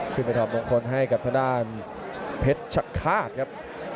ขึ้นไปถอบมงคลให้กับพระด้านเพชรชะฆาตครับ